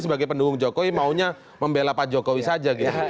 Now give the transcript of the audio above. sebagai pendukung jokowi maunya membela pak jokowi saja gitu